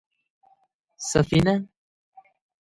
_سفينه؟